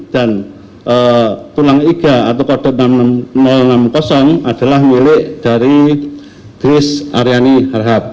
dan tulang iga atau kodok enam puluh adalah milik dari dris aryani harhab